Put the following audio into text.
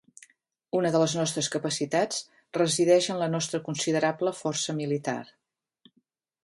Una de les nostres capacitats resideix en la nostra considerable força militar.